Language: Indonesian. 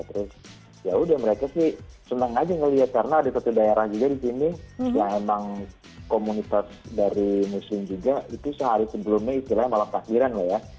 terus yaudah mereka sih senang aja ngeliat karena ada satu daerah juga di sini yang emang komunitas dari muslim juga itu sehari sebelumnya istilahnya malam takbiran loh ya